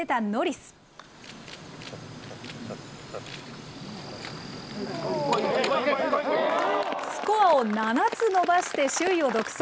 スコアを７つ伸ばして首位を独走。